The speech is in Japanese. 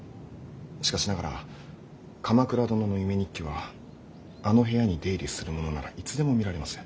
しかしながら鎌倉殿の夢日記はあの部屋に出入りする者ならいつでも見られます。